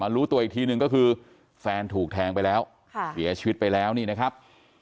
รู้ตัวอีกทีหนึ่งก็คือแฟนถูกแทงไปแล้วเสียชีวิตไปแล้วนี่นะครับ